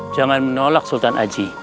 jangan menolak sultan aji